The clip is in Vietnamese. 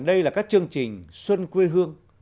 đây là các chương trình xuân quê hương